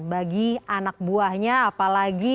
bagi anak buahnya apalagi